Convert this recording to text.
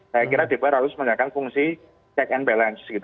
saya kira dpr harus menjalankan fungsi check and balance